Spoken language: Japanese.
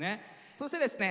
そしてですね